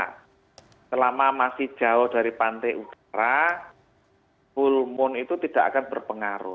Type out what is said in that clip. karena selama masih jauh dari pantai utara full moon itu tidak akan berpengaruh